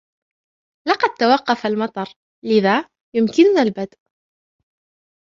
لقد توقف المطر, لذا يمكننا البدء.